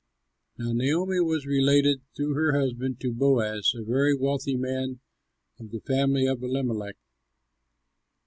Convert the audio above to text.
Now Naomi was related through her husband to Boaz, a very wealthy man of the family of Elimelech.